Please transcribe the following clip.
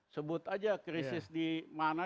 sebut aja krisis di mana